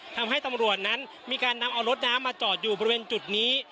ทำให้ตำรวจนั้นมีการนำเอารถน้ำมาจอดอยู่บริเวณจุดนี้